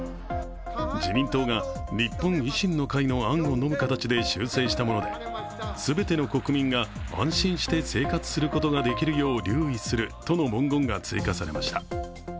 自民党が日本維新の会の案を飲む形で修正したもので全ての国民が安心して生活することができるよう留意するとの文言が追加されました。